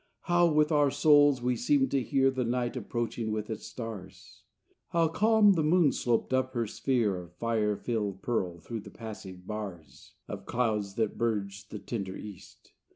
How, with our souls, we seemed to hear The night approaching with its stars! How calm the moon sloped up her sphere Of fire filled pearl through passive bars Of clouds that berged the tender east!